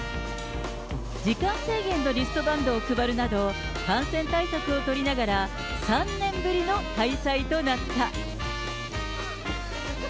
時間制限のリストバンドを配るなど、感染対策を取りながら、３年ぶりの開催となった。